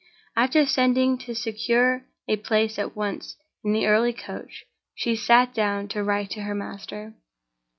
After sending to secure a place at once in the early coach, she sat down to write to her master.